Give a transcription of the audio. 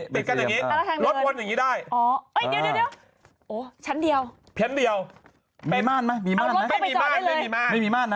เพลง๔๕เพลงเด็กนี้จะโกนเอาอีก